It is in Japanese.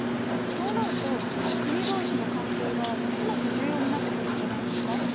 そうなると国同士の関係がますます重要になってくるんじゃないですか？